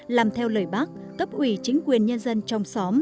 làm theo lời bác cấp ủy chính quyền nhân dân trong xóm